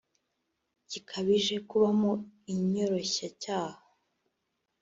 gikabije kubamo inyoroshyacyaha